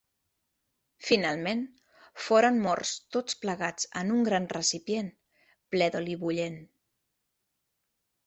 Finalment, foren morts tots plegats en un gran recipient ple d'oli bullent.